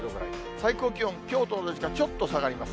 最高気温、きょうと同じかちょっと下がります。